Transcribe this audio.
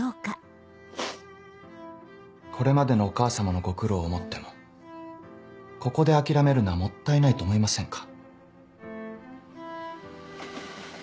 これまでのお母様のご苦労を思ってもここで諦めるのはもったいないと思いませんか。